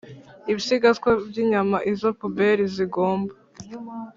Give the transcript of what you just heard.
ibisigarizwa by inyama Izo pubeli zigomba